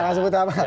jangan sebut nama